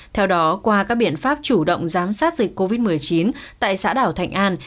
theo đó qua các biện pháp chủ động giám sát dịch covid một mươi chín tại xã đảo thạnh an